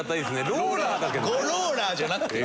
「５ローラー」じゃなくて？